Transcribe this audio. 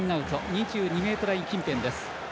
２２ｍライン近辺です。